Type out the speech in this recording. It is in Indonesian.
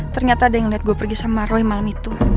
ternyata ada yang liat gua pergi sama roy malem itu